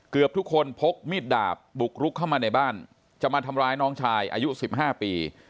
เกือบทุกคนพกมีดดาบบุกรุกเข้ามาในบ้านจะมาทำร้ายน้องชายอายุ๑๕ปี